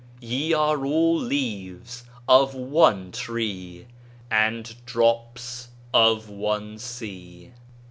... Ye are all leaves of one tree and drops of one sea."